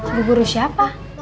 ibu guru siapa